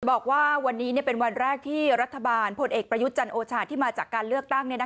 บอกว่าวันนี้เป็นวันแรกที่รัฐบาลพลเอกประยุทธ์จันทร์โอชาที่มาจากการเลือกตั้ง